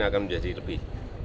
akan menjadi lebih